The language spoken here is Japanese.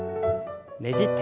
ねじって。